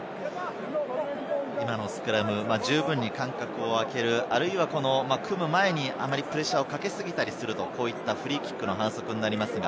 今のスクラム、十分に間隔をあける、あるいは組む前にあまりプレッシャーをかけすぎたりすると、こういったフリーキックの反則になります。